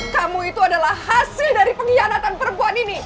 kamu itu adalah hasil dari pengkhianatan perempuan ini